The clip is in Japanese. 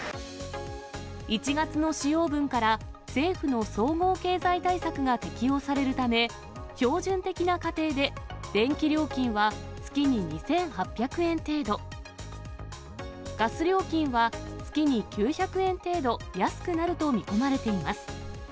１月の使用分から、政府の総合経済対策が適用されるため、標準的な家庭で電気料金は月に２８００円程度、ガス料金は月に９００円程度、安くなると見込まれています。